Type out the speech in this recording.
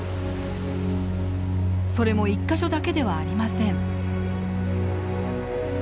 それも１か所だけではありません。